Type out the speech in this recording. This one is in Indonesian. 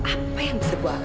apa yang bisa buat kamu